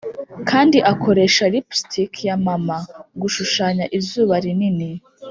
kandi akoresha lipstick ya mama gushushanya izuba rinini